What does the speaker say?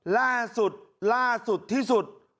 ล่าสุดล่าสุดที่สุด